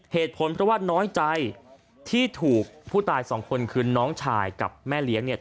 เหตุผลเพราะว่าน้อยใจที่ถูกผู้ตายสองคนคือน้องชายกับแม่เลี้ยงเนี่ย